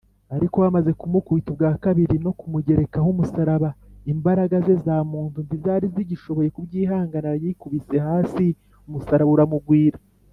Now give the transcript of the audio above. ariko bamaze kumukubita ubwa kabiri no kumugerekaho umusaraba, imbaraga ze za muntu ntizari zigishoboye kubyihanganira yikubise hasi umusaraba uramugwira